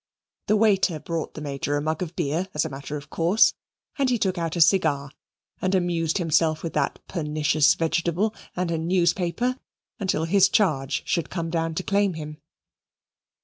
The waiter brought the Major a mug of beer, as a matter of course, and he took out a cigar and amused himself with that pernicious vegetable and a newspaper until his charge should come down to claim him.